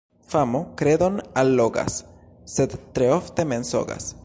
Famo kredon allogas, sed tre ofte mensogas.